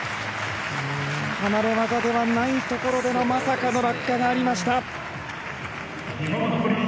離れ技ではないところでのまさかの落下がありました。